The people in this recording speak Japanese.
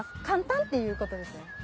簡単っていうことですね。